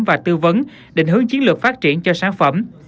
và tư vấn định hướng chiến lược phát triển cho sản phẩm